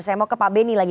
saya mau ke pak beni lagi